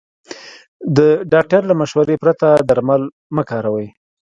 د ډاکټر له مشورې پرته درمل مه کاروئ.